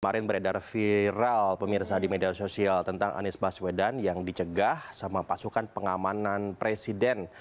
kemarin beredar viral pemirsa di media sosial tentang anies baswedan yang dicegah sama pasukan pengamanan presiden